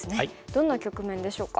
どんな局面でしょうか。